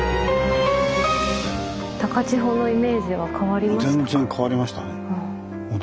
高千穂のイメージは変わりましたか？